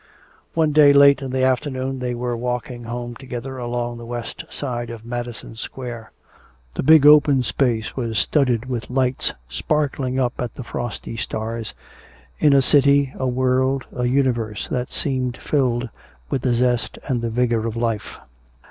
One day late in the afternoon they were walking home together along the west side of Madison Square. The big open space was studded with lights sparkling up at the frosty stars, in a city, a world, a universe that seemed filled with the zest and the vigor of life.